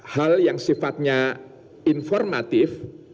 hal yang sifatnya informatif